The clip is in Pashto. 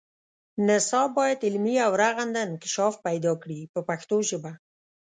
نصاب باید علمي او رغنده انکشاف پیدا کړي په پښتو ژبه.